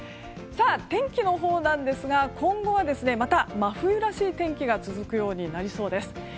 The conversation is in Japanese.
天気のほうなんですが今後は、また真冬らしい天気が続くようになりそうです。